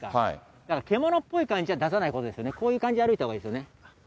だから、獣っぽい感じは出さないことですよね、こういう感じで歩くということですよ。